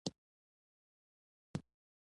په دوبي بدن خولې کیږي